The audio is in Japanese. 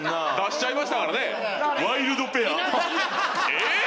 えっ！？